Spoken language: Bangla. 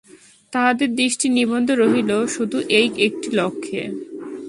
তাহাদের দৃষ্টি নিবন্ধ রহিল শুধু এই একটি লক্ষ্যে।